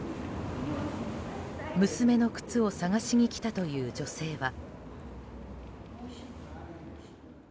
娘の靴を探しに来たという女性は。